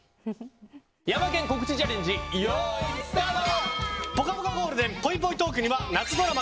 ヤマケン、告知チャレンジ用意スタート！